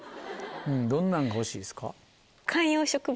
どんなんが欲しいですか？